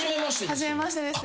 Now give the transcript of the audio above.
初めましてです。